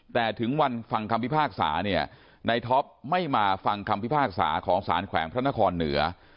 แต่ถึงวันฟังคำพิพากษาเนี่ยในท็อปไม่มาฟังคำพิพากษาของสารแขวงพระนครเหนือ